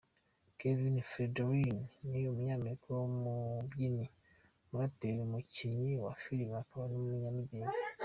Kevin Federline ni umunyamerika w’umubyinnyi, umuraperi, umukinnyi wa Filime akaba n’umunyamideri.